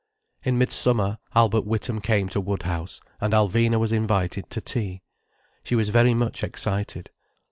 In midsummer Albert Witham came to Woodhouse, and Alvina was invited to tea. She was very much excited.